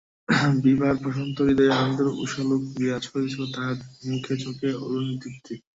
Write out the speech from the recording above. বিভার প্রশান্ত হৃদয়ে আনন্দের উষালােক বিরাজ করিতেছিল, তাহার মুখে চোখে অরুণের দীপ্তি।